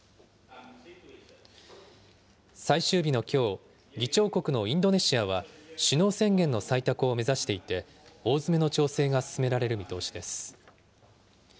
最終日のきょう、議長国のインドネシアは、首脳宣言の採択を目指していて、大詰めの調整が進められる見通しです。